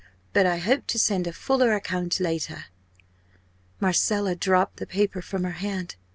But I hope to send a fuller account later." Marcella dropped the paper from her hand.